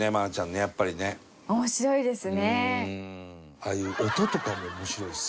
ああいう音とかも面白いしさ。